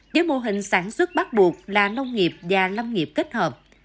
với mô hình sản xuất bắt buộc là nông nghiệp và lâm nghiệp kết hợp